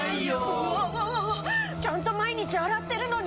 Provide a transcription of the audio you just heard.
うわわわわちゃんと毎日洗ってるのに。